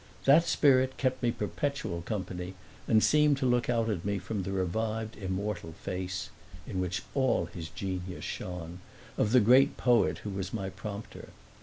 That spirit kept me perpetual company and seemed to look out at me from the revived immortal face in which all his genius shone of the great poet who was my prompter.